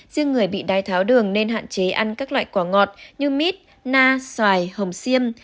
riêng người bị đai tháo đường nên hạn chế ăn các loại quả ngọt như mít na xoài hồng xiêm